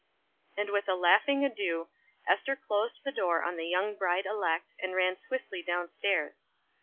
And with a laughing adieu Ester closed the door on the young bride elect, and ran swiftly down stairs.